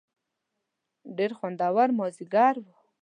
ډېر خوندور مازیګر و.